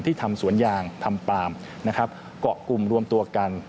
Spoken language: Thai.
ที่ทำสวนยางทำปาล์มเกาะกลุ่มรวมตัวกัน